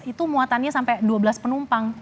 itu muatannya sampai dua belas penumpang